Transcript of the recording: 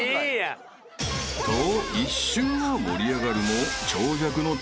［と一瞬は盛り上がるも］